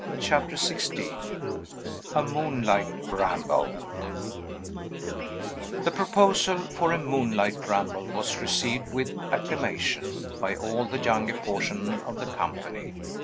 CHAPTER XVI A MOONLIGHT RAMBLE The proposal for a moonlight ramble was received with acclamation by all the younger portion of the company.